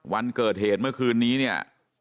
วันเกิดเหตุเมื่อคืนนี้เนี่ย